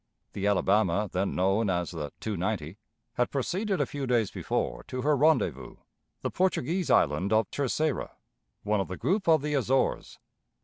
The Alabama, then known as the 290, had proceeded a few days before to her rendezvous, the Portuguese Island of Terceira, one of the group of the Azores.